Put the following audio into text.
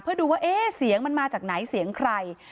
เพื่อดูว่าเอ๊ะเสียงมันมาจากไหนเสียงใคร